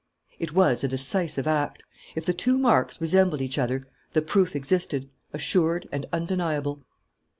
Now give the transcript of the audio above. It was a decisive act. If the two marks resembled each other, the proof existed, assured and undeniable.